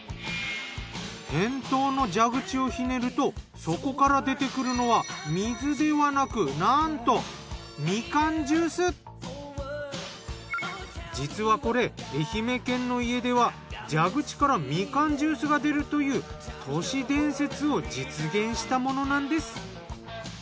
店頭の蛇口をひねるとそこから出てくるのは水ではなくなんと実はこれ愛媛県の家では蛇口からみかんジュースが出るという都市伝説を実現したものなんです。